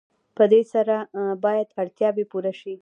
په دې سره باید اړتیاوې پوره شي.